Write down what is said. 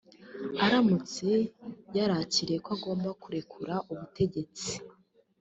Aramutse yarakiriye ko agomba kurekura ubutegetsi